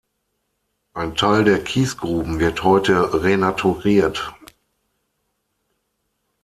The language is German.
Ein Teil der Kiesgruben wird heute renaturiert.